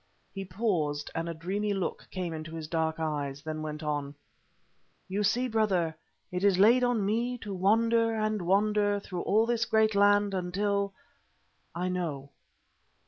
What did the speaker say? He paused and a dreamy look came into his dark eyes, then went on, "You see, Brother, it is laid on me to wander and wander through all this great land until I know."